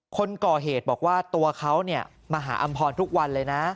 คนก่อเหตุบอกว่าตัวเขามาหาอำพรทุกวันเลยนะ